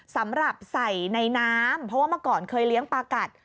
สำหรับใส่ในน้ำเพราะว่าเมื่อก่อนเคยเลี้ยงปลากัด